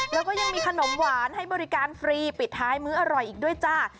แล้วก็ยังมีขนมหวานให้บริการฟรีปิดท้ายมื้ออร่อยอีกด้วยจ้า